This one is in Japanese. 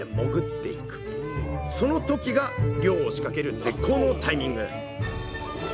その時が漁を仕掛ける絶好のタイミング